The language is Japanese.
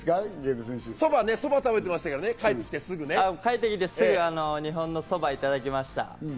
そば食べてましたけどね、帰ってきてすぐ日本のそばをいただきました。